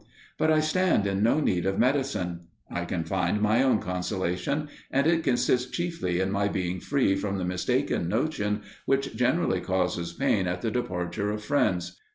But I stand in no need of medicine. I can find my own consolation, and it consists chiefly in my being free from the mistaken notion which generally causes pain at the departure of friends.